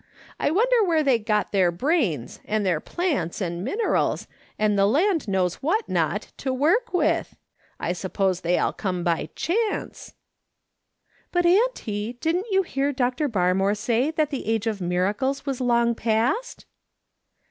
I wonder where they got their brains, and their plants, and minerals, and the land knows what not, to work with ? I suppose they all come by chance.'" " But, auntie, didn't you hear Dr. Barmore say that the age of miracles was long past